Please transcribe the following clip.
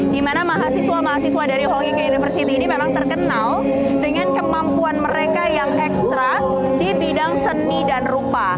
dimana mahasiswa mahasiswa dari holying university ini memang terkenal dengan kemampuan mereka yang ekstra di bidang seni dan rupa